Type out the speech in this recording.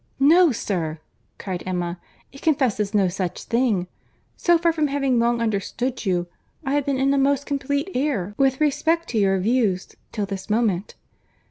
"No, sir," cried Emma, "it confesses no such thing. So far from having long understood you, I have been in a most complete error with respect to your views, till this moment.